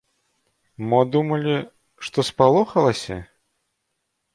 Мо думалі, што спалохалася?